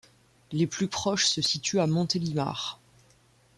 Les plus proches se situent à Montélimar.